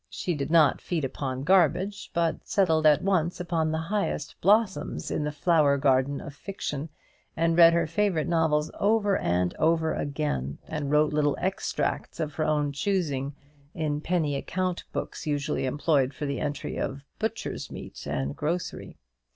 She did not feed upon garbage, but settled at once upon the highest blossoms in the flower garden of fiction, and read her favourite novels over and over again, and wrote little extracts of her own choosing in penny account books, usually employed for the entry of butcher's meat and grocery.